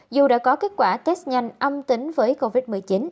dù đã có kết quả test nhanh âm tính với covid một mươi chín